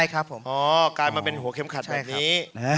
กลายมาเป็นหัวเข็มขัดแบบนี้